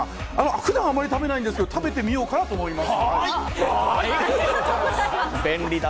普段あまり食べないですけれども、食べてみようかなと思います。